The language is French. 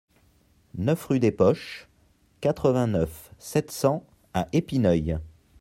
neuf rue des Poches, quatre-vingt-neuf, sept cents à Épineuil